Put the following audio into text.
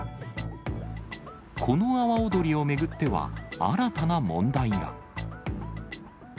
この阿波おどりを巡っては、新たな問題が。